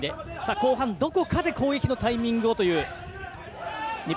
後半、どこかで攻撃のタイミングをという。